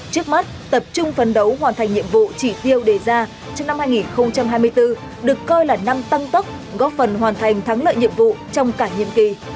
trước mắt tập trung phấn đấu hoàn thành nhiệm vụ chỉ tiêu đề ra trong năm hai nghìn hai mươi bốn được coi là năm tăng tốc góp phần hoàn thành thắng lợi nhiệm vụ trong cả nhiệm kỳ